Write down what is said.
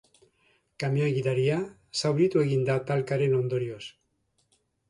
Kamioi gidaria zauritu egin da talkaren ondorioz.